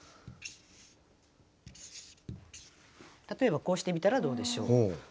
例えばこうしてみたらどうでしょう。